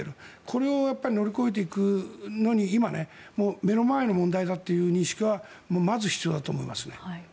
これを乗り越えていくのに今、目の前の問題だという認識はまず必要だと思いますね。